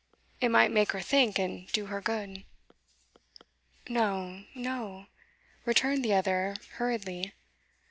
It might make her think, and do her good.' 'No, no,' returned the other hurriedly.